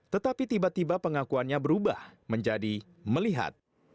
tetapi tiba tiba pengakuannya berubah menjadi melihat